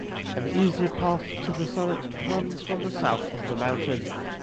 An easier path to the summit runs from the south of the mountain.